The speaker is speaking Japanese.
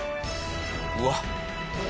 うわっ。